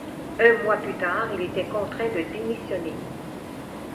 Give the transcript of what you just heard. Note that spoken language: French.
Un mois plus tard, il était contraint de démissionner.